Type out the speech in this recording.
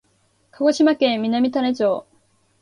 鹿児島県南種子町